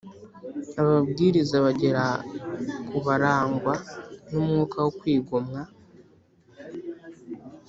Ababwiriza bagera ku barangwa n umwuka wo kwigomwa